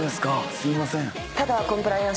すいません。